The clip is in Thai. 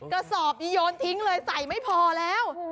กระสอบนี้โยนทิ้งเลยใส่ไม่พอแล้ว